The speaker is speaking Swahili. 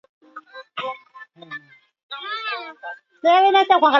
na rais aliyetangulia henry konan berdi